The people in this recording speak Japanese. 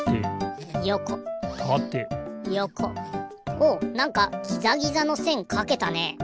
おおなんかギザギザのせんかけたね。